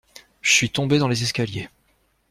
Je suis tombé dans les escaliers.